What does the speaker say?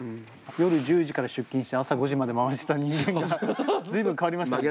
夜１０時から出勤して朝５時まで回してた人間が随分変わりましたね。